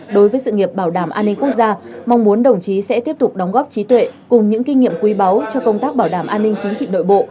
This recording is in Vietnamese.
đối với sự nghiệp bảo đảm an ninh quốc gia mong muốn đồng chí sẽ tiếp tục đóng góp trí tuệ cùng những kinh nghiệm quý báu cho công tác bảo đảm an ninh chính trị nội bộ